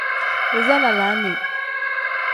Iza lalaani.